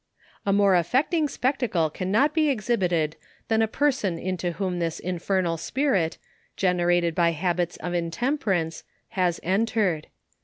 A more affecting spectacle cannot he exhibited than a person into whom this infernal spirit, generated by hab its of intemperance, has entered.